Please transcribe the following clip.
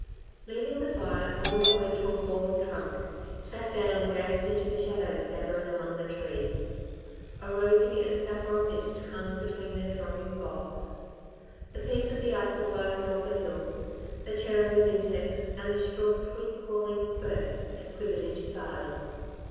Leaving the fire, the woman went to a fallen trunk, sat down and gazed into the shadows gathering among the trees. A rosy and saffron mist hung between their thronging boles. The peace of the after glow held the hills, the chirring of insects and the shrill sweet calling of birds had quivered into silence.